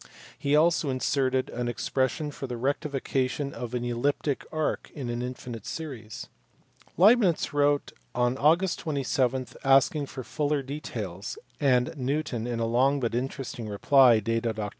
He also inserted an expression for the rectification of an elliptic arc in an infinite series. Leibnitz wrote oil Aug. 27 asking for fuller details ; and Newton in a long but interesting reply, dated Oct.